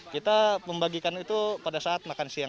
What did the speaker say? kita membagikan itu pada saat makan siang